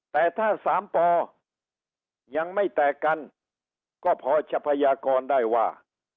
แต่ถ้า๓ปยังไม่แตกกันก็พอจะพยากรได้ว่า